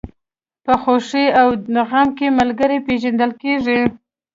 په خوښۍ او غم کې ملګری پېژندل کېږي.